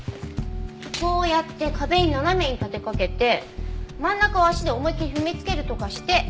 こうやって壁に斜めに立てかけて真ん中を足で思い切り踏みつけるとかして。